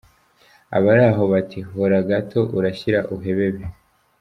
Abari aho bati "Hora gato urashyira uhebebe!".